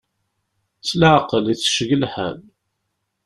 S leɛqel, ittecceg lḥal!